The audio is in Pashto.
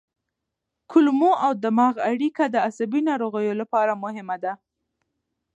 کولمو او دماغ اړیکه د عصبي ناروغیو لپاره مهمه ده.